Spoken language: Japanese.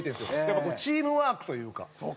やっぱこうチームワークというか。